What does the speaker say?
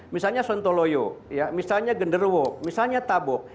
misalnya sontoloyo misalnya gender walk misalnya tabok